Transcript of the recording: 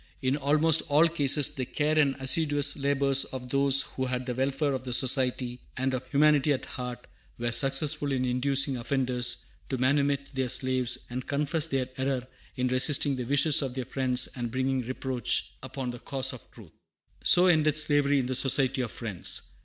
In almost all cases the care and assiduous labors of those who had the welfare of the Society and of humanity at heart were successful in inducing offenders to manumit their slaves, and confess their error in resisting the wishes of their friends and bringing reproach upon the cause of truth. So ended slavery in the Society of Friends.